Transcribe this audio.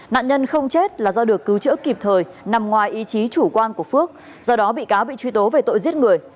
nạn nhân không chết là do được cứu chữa kịp thời nằm ngoài ý chí chủ quan của phước do đó bị cáo bị truy tố về tội giết người